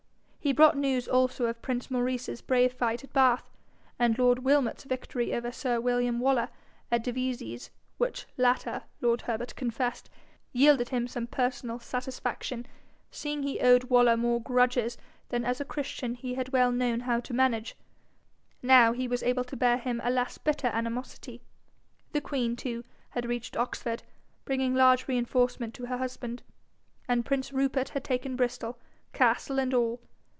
He brought news also of prince Maurice's brave fight at Bath, and lord Wilmot's victory over sir William Waller at Devizes which latter, lord Herbert confessed, yielded him some personal satisfaction, seeing he owed Waller more grudges than as a Christian he had well known how to manage: now he was able to bear him a less bitter animosity. The queen, too, had reached Oxford, bringing large reinforcement to her husband, and prince Rupert had taken Bristol, castle and all.